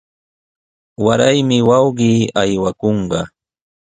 Waraymi wawqii aywakunqa.